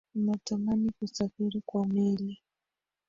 Natamani kusafiri kwa meli